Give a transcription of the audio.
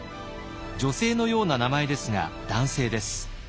女性のような名前ですが男性です。